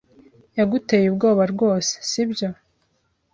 yaguteye ubwoba rwose, sibyo?